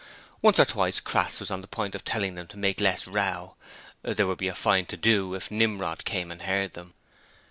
Once or twice Crass was on the point of telling them to make less row: there would be a fine to do if Nimrod came and heard them.